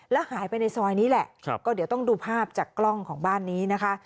แล้วหายไปในซอยนี้แหละก็เดี๋ยวต้องดูภาพจากกล้องของบ้านนี้นะคะ